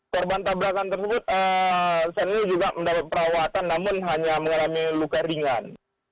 korban penabrakan tersebut saya juga mendapat perawatan namun hanya mengalami luka ringan